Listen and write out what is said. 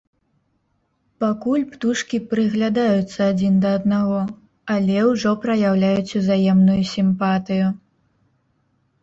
Пакуль птушкі прыглядаюцца адзін да аднаго, але ўжо праяўляюць узаемную сімпатыю.